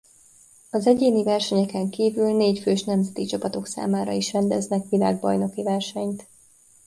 Az egyéni versenyeken kívül négyfős nemzeti csapatok számára is rendeznek világbajnoki versenyt.